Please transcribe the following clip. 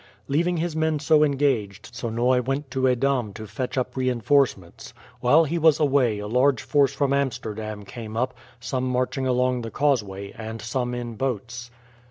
Leaving his men so engaged, Sonoy went to Edam to fetch up reinforcements. While he was away a large force from Amsterdam came up, some marching along the causeway and some in boats.